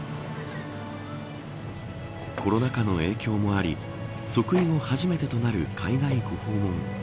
コロナ禍の影響もあり即位後初めてとなる海外ご訪問。